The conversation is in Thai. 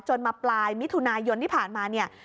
มาปลายมิถุนายนที่ผ่านมาเนี่ย